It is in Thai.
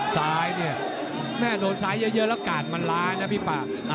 ซ้ายเนี่ยแม่โดนซ้ายเยอะแล้วกาดมันล้านะพี่ปาก